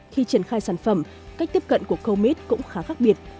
khi triển khai sản phẩm cách tiếp cận của comit cũng khá khác biệt